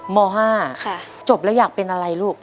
ม๕จบแล้วอยากเป็นอะไรลูก